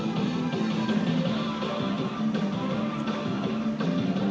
ตรงตรงตรงตรงตรง